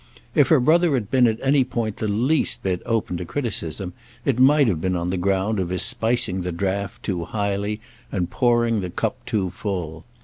If her brother had been at any point the least bit open to criticism it might have been on the ground of his spicing the draught too highly and pouring the cup too full.